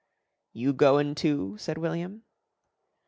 "You goin' too?" said William.